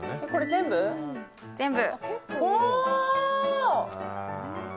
全部。